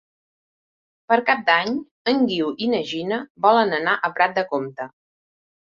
Per Cap d'Any en Guiu i na Gina volen anar a Prat de Comte.